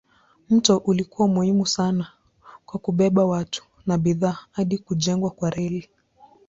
Mto ulikuwa muhimu sana kwa kubeba watu na bidhaa hadi kujengwa kwa reli.